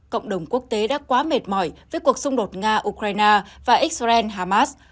cộng đồng quốc tế đã quá mệt mỏi với cuộc xung đột nga ukraine và israel hamas